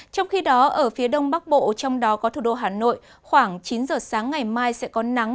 trong khi đó ở phía đông bắc bộ trong đó có thủ đô hà nội khoảng chín giờ sáng ngày mai sẽ có nắng